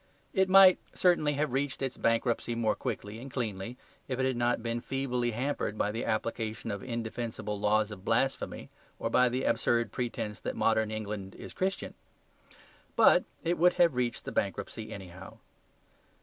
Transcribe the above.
It might certainly have reached its bankruptcy more quickly and cleanly if it had not been feebly hampered by the application of indefensible laws of blasphemy or by the absurd pretence that modern England is Christian. But it would have reached the bankruptcy anyhow.